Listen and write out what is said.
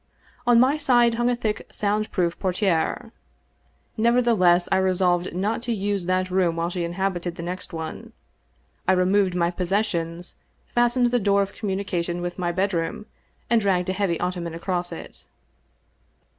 On my side hung a thick sound proof portiere. Nevertheless, I resolved not to use that room while, she inhabited the next one. I removed my possessions, fastened the door of communication with my bedroom, and dragged a heavy ottoman across it.